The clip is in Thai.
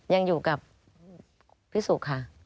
ยังอยู่กับพี่สุค่ะ